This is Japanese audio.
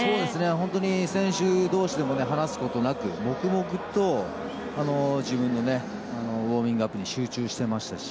ほんとに選手同士でも話すことなく黙々と自分のねウオーミングアップに集中してましたし